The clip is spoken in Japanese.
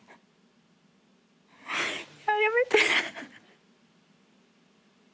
やめて。